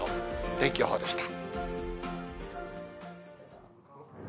天気予報でした。